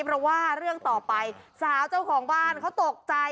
เพราะว่าเรื่องต่อไปสาวเจ้าของบ้านเขาตกใจ